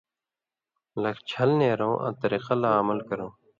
لَکھ چھل نېرؤں آں طریقہ لا عمل کرؤں۔